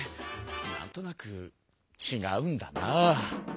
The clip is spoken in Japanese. なんとなくちがうんだな！